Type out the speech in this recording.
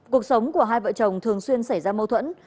cuộc sống của hai vợ chồng thường xuyên xảy ra mâu thuẫn